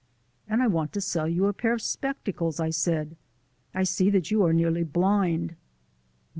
"And I want to sell you a pair of spectacles," I said. "I see that you are nearly blind."